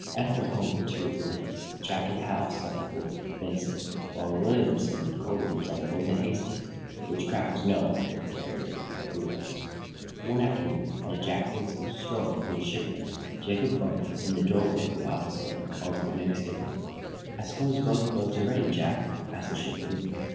Eph went home for two or three days. Jack and Hal slept on board the "Benson," while Williamson quartered himself aboard the "Hastings," which craft no longer carried any torpedoes. One afternoon, as Jack Benson was strolling through the shipyard, Jacob Farnum, in the doorway of the office building, called to the young skipper. "I suppose both boats are ready, Jack?" asked the shipbuilder.